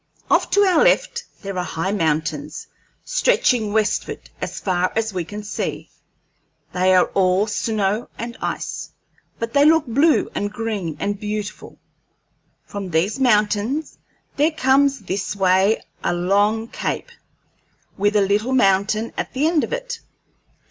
Off to our left there are high mountains, stretching westward as far as we can see. They are all snow and ice, but they look blue and green and beautiful. From these mountains there comes this way a long cape, with a little mountain at the end of it.